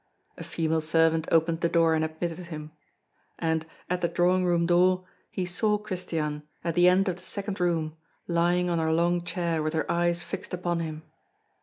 A female servant opened the door, and admitted him. And, at the drawing room door, he saw Christiane, at the end of the second room, lying on her long chair with her eyes fixed upon him.